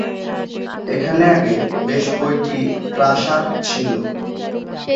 এখানে আগে বেশ কয়টি প্রাসাদ ছিল।